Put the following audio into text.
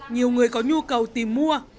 nhiều người có nhu cầu tìm mua